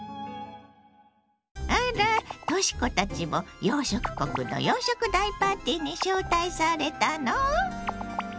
あらとし子たちも洋食国の洋食大パーティーに招待されたの？